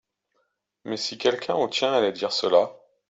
Mais si quelqu’un au tien allait dire cela ?…